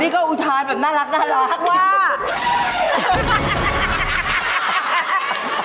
นี่ก็อุทานแบบน่ารักว้าว